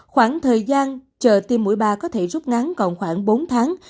khoảng thời gian chờ tiêm mũi ba có thể rút ngắn còn khoảng bốn tháng